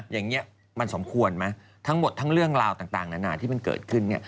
อย่างนี้มันสมควรไหมทั้งหมดทั้งเรื่องราวต่างนานาที่มันเกิดขึ้น